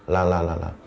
là là là là